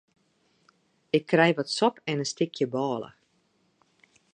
Ik krij wat sop en in stikje bôle.